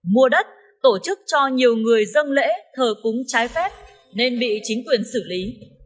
mua đất tổ chức cho nhiều người dân lễ thờ cúng trái phép nên bị chính quyền xử lý